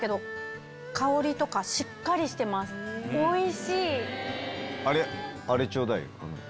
おいしい！